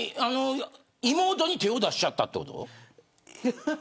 妹に手を出しちゃったということ。